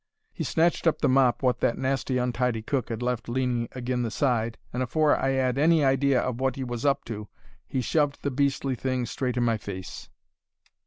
"He snatched up the mop wot that nasty, untidy cook 'ad left leaning agin the side, and afore I 'ad any idea of wot 'e was up to he shoved the beastly thing straight in my face.